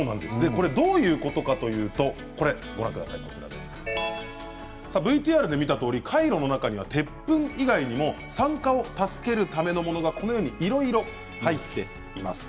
どういうことかというとＶＴＲで見たとおりカイロの中には鉄粉以外にも酸化を助けるためのものがいろいろ入っています。